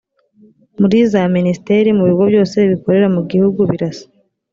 muri za minisiteri mu bigo byose bikorera mu gihugu birasa